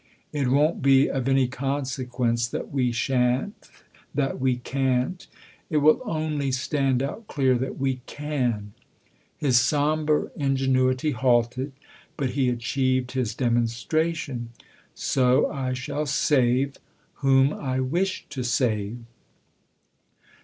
" It won't be of any consequence that we shan't, that we can't : it will only stand out clear that we can" His sombre ingenuity halted, but he achieved his demonstration. " So I shall save whom I wish to save."